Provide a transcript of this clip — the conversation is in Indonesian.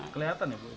kelihatan ya bu